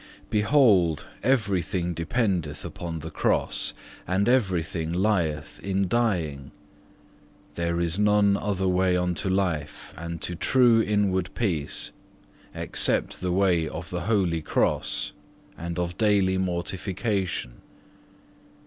3. Behold everything dependeth upon the Cross, and everything lieth in dying; and there is none other way unto life and to true inward peace, except the way of the Holy Cross and of daily mortification.